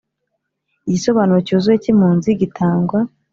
Igisobanuro cyuzuye cy impunzi gitangwa